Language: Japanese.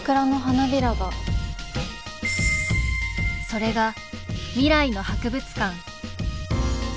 それが「未来の博物館」